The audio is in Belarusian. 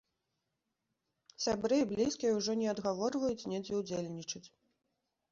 Сябры і блізкія ўжо не адгаворваюць недзе ўдзельнічаць.